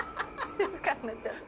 静かになっちゃった。